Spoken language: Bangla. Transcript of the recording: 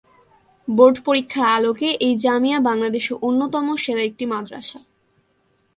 বোর্ড পরীক্ষার আলোকে এই জামিয়া বাংলাদেশের অন্যতম সেরা একটি মাদ্রাসা।